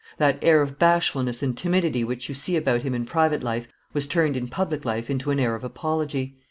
That air of bashfulness and timidity which you see about him in private life was turned in public life into an air of apology.